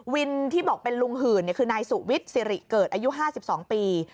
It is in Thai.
ที่บอกเป็นลุงหื่นคือนายสุวิทย์สิริเกิดอายุ๕๒ปี